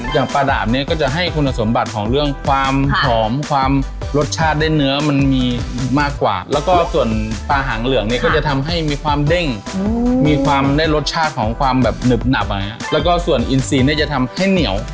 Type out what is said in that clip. อย่างปลาดาบเนี่ยก็จะให้คุณสมบัติของเรื่องความหอมความรสชาติได้เนื้อมันมีมากกว่าแล้วก็ส่วนปลาหางเหลืองเนี่ยก็จะทำให้มีความเด้งมีความได้รสชาติของความแบบหนึบหนับแล้วก็ส่วนอินซีเนี่ยจะทำให้เหนียว